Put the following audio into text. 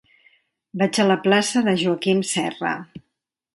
Vaig a la plaça de Joaquim Serra.